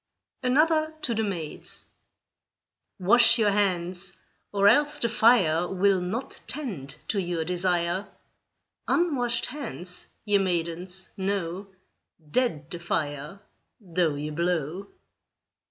ANOTHER TO THE MAIDS Wash your hands, or else the fire Will not tend to your desire; Unwashed hands, ye maidens, know, Dead the fire, though ye blow.